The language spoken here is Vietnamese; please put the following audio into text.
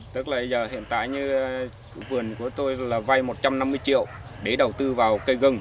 tức là hiện tại như vườn của tôi là vay một trăm năm mươi triệu để đầu tư vào